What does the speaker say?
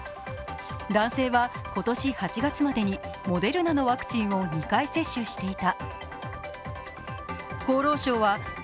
男性は今年８月までにモデルナのワクチンを２回接種していた。